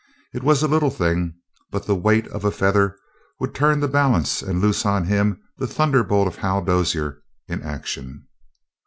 It was a little thing, but the weight of a feather would turn the balance and loose on him the thunderbolt of Hal Dozier in action.